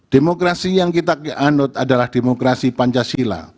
demokrasi yang kita anut adalah demokrasi pancasila